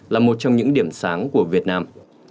là một trong những điểm sáng của việt nam